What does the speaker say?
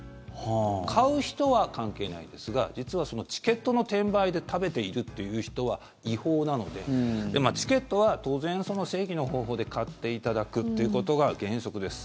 買う人は関係ないですが実は、そのチケットの転売で食べているという人は違法なのでチケットは当然、正規の方法で買っていただくということが原則です。